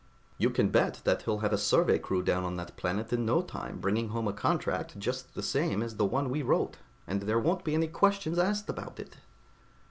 You can bet that he'll have a survey crew down on that planet in no time, bringing home a contract just the same as the one we wrote, and there won't be any questions asked about it."